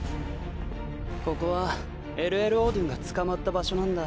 ここはＬ．Ｌ．オードゥンが捕まった場所なんだ。